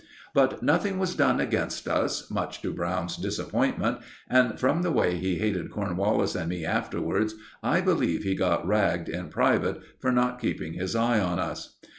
But nothing was done against us, much to Brown's disappointment, and from the way he hated Cornwallis and me afterwards, I believe he got ragged in private for not keeping his eye on us.